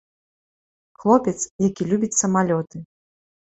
Хлопец, які любіць самалёты.